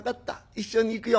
一緒に行くよ」。